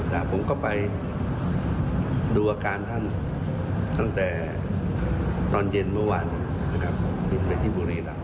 แต่ผมก็ไปดูอาการท่านตั้งแต่ตอนเย็นเมื่อวาน